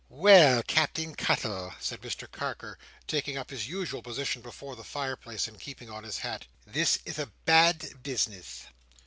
"Well, Captain Cuttle," said Mr Carker, taking up his usual position before the fireplace, and keeping on his hat, "this is a bad business."